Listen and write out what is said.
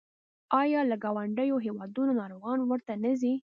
آیا له ګاونډیو هیوادونو ناروغان ورته نه ځي؟